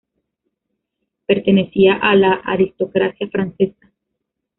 Pertenecía a la aristocracia francesa.